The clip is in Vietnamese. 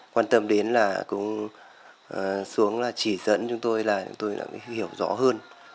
quan tâm đến là cũng xuống là chỉ dẫn chúng tôi là chúng tôi đã hiểu rõ hơn